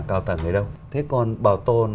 cao tầng ấy đâu thế còn bảo tồn